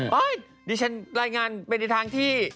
ดิฉันรายงานไปในทางที่